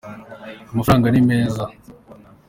amafaranga nimeza